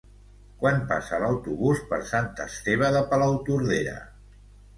Quan passa l'autobús per Sant Esteve de Palautordera?